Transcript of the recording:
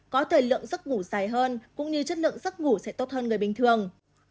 có thời lượng giấc ngủ dài hơn cũng như chất lượng giấc ngủ sẽ tốt hơn người bình thường